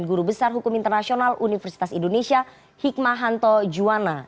dan guru besar hukum internasional universitas indonesia hikmahanto juwana